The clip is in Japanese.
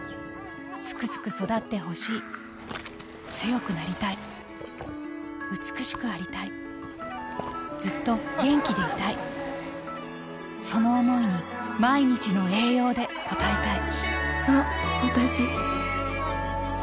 スクスク育ってほしい強くなりたい美しくありたいずっと元気でいたいその想いに毎日の栄養で応えたいあっわたし。